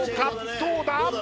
どうだ？